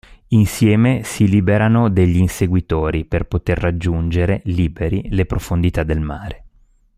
Insieme, si liberano degli inseguitori per poter raggiungere, liberi, le profondità del mare.